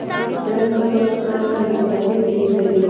پړانګ خپل ښکار ته ناڅاپي برید کوي.